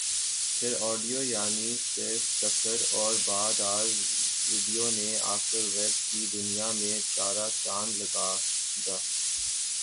پھر آڈیو یعنی ص سفر اور بعد آز ویڈیو نے آکر ویب کی دنیا میں چارہ چاند لگا د